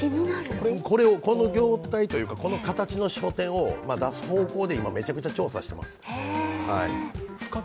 この業態というか、この形の書店を出す方向で今、めちゃくちゃ調査してます。